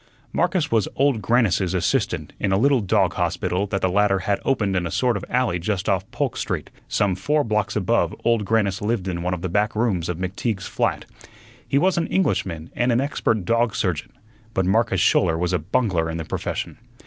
Marcus was Old Grannis's assistant in a little dog hospital that the latter had opened in a sort of alley just off Polk Street, some four blocks above Old Grannis lived in one of the back rooms of McTeague's flat. He was an Englishman and an expert dog surgeon, but Marcus Schouler was a bungler in the profession.